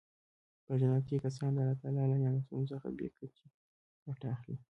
په جنت کې کسان د الله تعالی له نعمتونو څخه بې کچې ګټه اخلي.